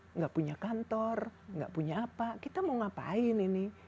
nggak punya kantor nggak punya apa kita mau ngapain ini